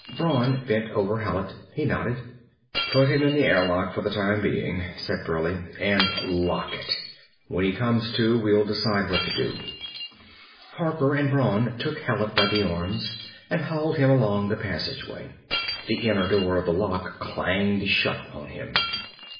Brawn bent over Hallet. He nodded. "Put him in the airlock for the time being," said Burleigh. "And lock it. When he comes to, we'll decide what to do." Harper and Brawn took Hallet by the arms and hauled him along the passageway. The inner door of the lock clanged shut on him.